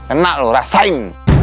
enak lo rasain